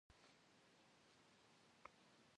Maxuiş xhuaue sızeşımuşxhuş.